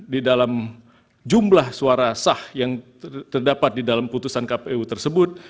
di dalam jumlah suara sah yang terdapat di dalam putusan kpu tersebut